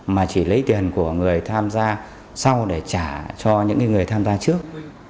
mà chỉ lấy tiền của người tham gia sau để trả cho những người tham gia trước